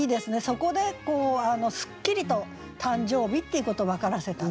そこでこうすっきりと誕生日っていうことを分からせた。